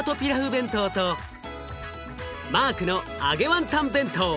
弁当とマークの揚げワンタン弁当。